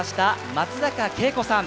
松坂慶子さん。